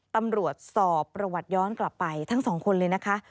ตำรวจสอบประวัติย้อนกลับไปทั้งสองคนเลยนะคะ